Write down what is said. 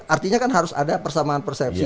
artinya kan harus ada persamaan persepsi